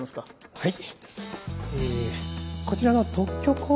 はい。